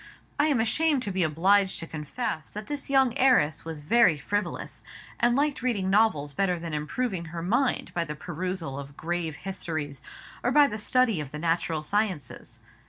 I am ashamed to be obliged to confess that this young heiress was very frivolous, and liked reading novels better than improving her mind by the perusal of grave histories, or by the study of the natural sciences.